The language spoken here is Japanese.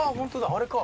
あれか。